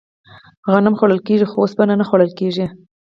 غنم خوړل کیږي خو اوسپنه نه خوړل کیږي.